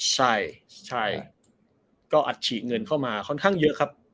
ใช่ใช่ก็อัดฉีดเงินเข้ามาค่อนข้างเยอะครับ